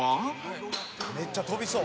「めっちゃ飛びそう」